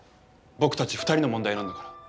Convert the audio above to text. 僕たち２人の問題なんだから。